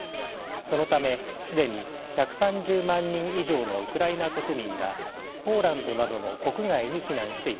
そのため既に１３０万人以上のウクライナ国民がポーランドなどの国外に避難しています。